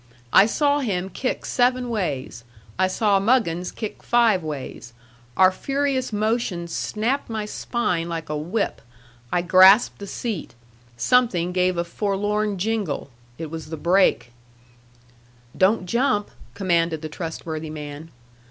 I saw him kick seven ways; I saw Muggins kick five ways; our furious motion snapped my spine like a whip. I grasped the seat. Something gave a forlorn jingle. It was the brake. "Don't jump!" commanded the trustworthy man.